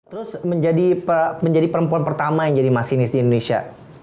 terus menjadi perempuan pertama yang jadi masinis di indonesia